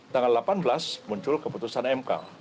tanggal delapan belas muncul keputusan mk